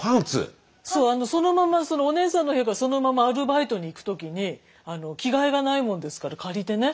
そうそのままお姉さんの部屋からそのままアルバイトに行く時に着替えがないもんですから借りてね。